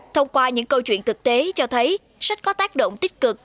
thông qua những câu chuyện thực tế cho thấy sách có tác động tích cực